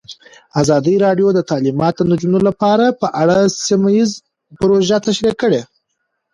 ازادي راډیو د تعلیمات د نجونو لپاره په اړه سیمه ییزې پروژې تشریح کړې.